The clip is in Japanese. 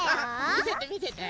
みせてみせて。